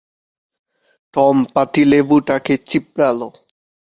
Tom পাতিলেবুটাকে চিপরালো।